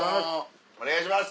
お願いします！